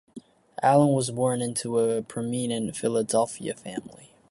Allen was born into a prominent Philadelphia family.